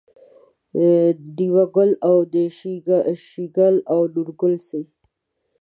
دېوه ګل او د شیګل او د نورګل سي